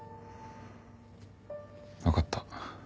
分かった。